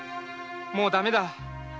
もうダメだ。